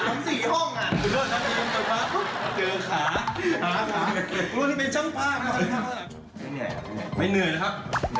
นี่คือเช้าพา